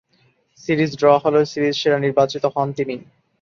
Series draw হলেও series সেরা নির্বাচিত হন তিনি।